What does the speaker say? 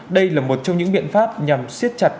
đây là một trong những biện pháp nhằm siết chặt